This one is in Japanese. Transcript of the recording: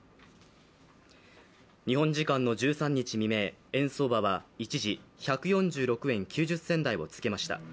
日本時間の１３日未明、円相場は一時１４６円９０銭台をつけました。